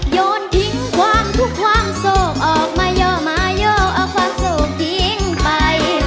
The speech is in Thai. ย้อนทิ้งความทุกความโศกออกมาเยอะมาเยอะเอาความโศกทิ้งไป